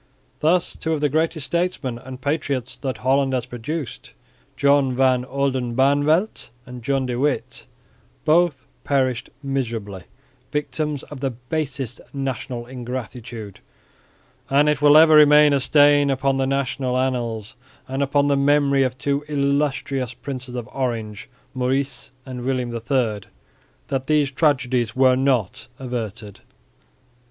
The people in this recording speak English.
Thus two of the greatest statesmen and patriots that Holland has produced, John van Oldenbarneveldt and John de Witt, both perished miserably, victims of the basest national ingratitude; and it will ever remain a stain upon the national annals and upon the memory of two illustrious Princes of Orange, Maurice and William III, that these tragedies were not averted.